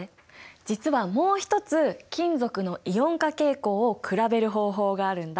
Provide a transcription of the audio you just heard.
実はもう一つ金属のイオン化傾向を比べる方法があるんだ。